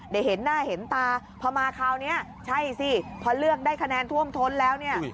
เห็นหน้าเห็นตาพอมาคราวนี้ใช่สิพอเลือกได้คะแนนท่วมท้นแล้วเนี่ย